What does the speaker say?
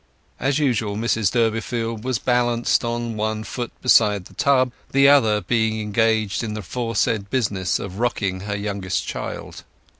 As usual, Mrs Durbeyfield was balanced on one foot beside the tub, the other being engaged in the aforesaid business of rocking her youngest child.